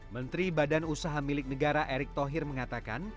menteri badan usaha milik negara erick thohir mengatakan